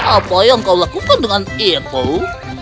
apa yang kau lakukan dengan itu